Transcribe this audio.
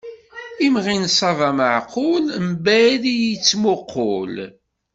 Imɣi n ṣṣaba meɛqul, mbaɛid i d-yettmuqul.